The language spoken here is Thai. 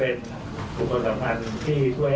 แล้วก็สำคัญก็เป็น